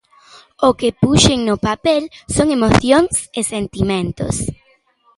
O que puxen no papel son emocións e sentimentos.